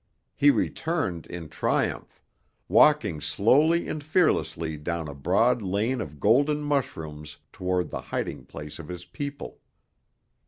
He returned in triumph, walking slowly and fearlessly down a broad lane of golden mushrooms toward the hiding place of his people.